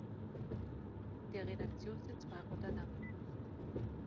Der Redaktionssitz war Rotterdam.